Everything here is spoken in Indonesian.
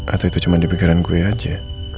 atau itu cuma di pikiran gue aja